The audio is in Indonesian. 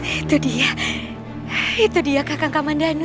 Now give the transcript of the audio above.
itu dia itu dia kakaknya mandano